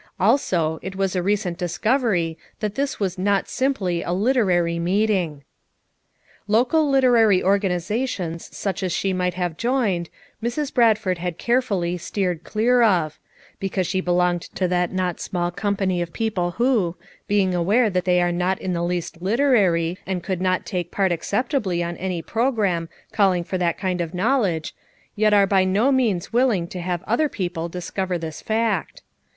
Also, it was a recent discovery that this was not sim ply a literary meeting. Local literary organizations such as she might have joined Mrs. Bradford had carefully steered clear of, because she belonged to that not small company of people who, being aware that they are not in the least literary and could not take part acceptably on any program call ing for that kind of knowledge, yet are by no means willing to have other people discover this fact.